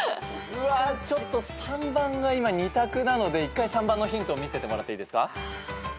うわちょっと３番が今２択なので１回３番のヒントを見せてもらっていいですか？